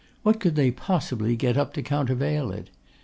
What could they possibly get up to countervail it?